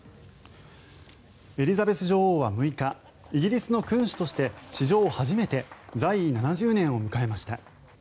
エリザベス女王は６日イギリスの君主として史上初めて在位７０年を迎えました。